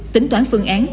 tính toán phương án